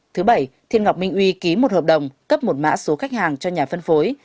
thứ bảy thiên ngọc minh uy ký một hợp đồng cấp một mã số khách hàng cho nhà phân phối